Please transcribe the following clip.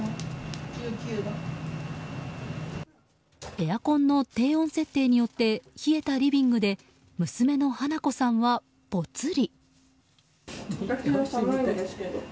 エアコンの低温設定によって冷えたリビングで娘の花子さんはポツリ。